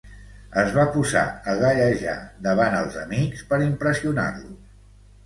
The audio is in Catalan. Es va posar a gallejar davant els amics per impressionar-los.